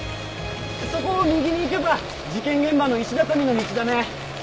そこを右に行けば事件現場の石畳の道だね。